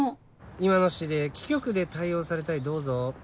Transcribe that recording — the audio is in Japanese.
今の指令貴局で対応されたいどうぞ。